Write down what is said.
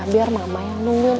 biar mama yang nunggu